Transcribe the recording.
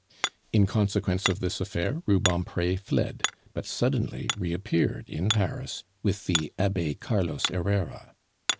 In consequence of this affair Rubempre fled, but suddenly reappeared in Paris with the Abbe Carlos Herrera.